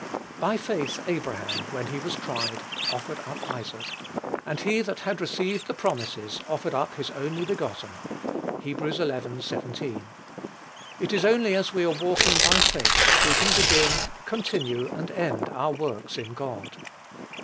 "By faith Abraham, when he was tried, offered up Isaac; and he that had received the promises, offered up his only begotten." (Heb. xi. 17.) It is only as we are walking by faith that we can begin, continue, and end our works in God.